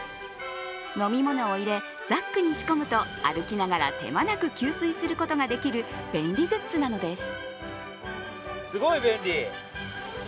飲み物を入れ、ザックに仕込むと歩きながら手間なく給水することができる便利グッズなのです。